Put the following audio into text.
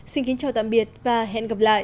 xin kính chào tạm biệt và hẹn gặp lại